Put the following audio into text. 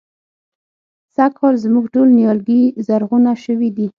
سږکال زموږ ټول نيالګي زرغونه شوي دي.